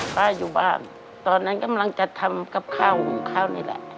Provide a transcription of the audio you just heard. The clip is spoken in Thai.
ป้าอยู่บ้านตอนนั้นกำลังจะทำกับข้าวหุงข้าวนี่แหละ